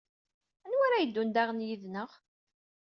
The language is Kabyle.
Anwa ara yeddun daɣen yid-neɣ?